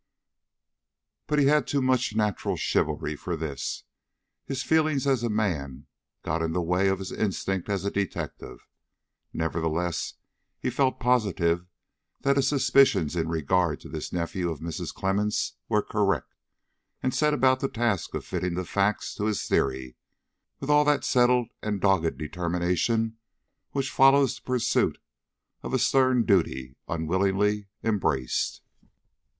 But he had too much natural chivalry for this. His feelings as a man got in the way of his instinct as a detective. Nevertheless, he felt positive that his suspicions in regard to this nephew of Mrs. Clemmens were correct, and set about the task of fitting facts to his theory, with all that settled and dogged determination which follows the pursuit of a stern duty unwillingly embraced.